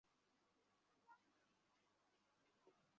দুনিয়ায় আছড়ে পড়ুক।